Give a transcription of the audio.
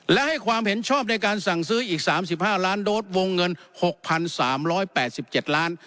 และให้ความเห็นชอบในการสั่งซื้ออีกสามสิบห้าร้านโดรดวงเงินหกพันสามร้อยแปดสิบเจ็ดล้าน